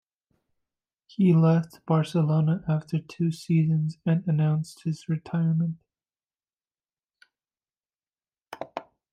He left Barcelona after two seasons, and announced his retirement.